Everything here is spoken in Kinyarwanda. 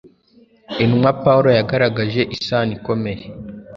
intumwa pawulo yagaragaje isano ikomeye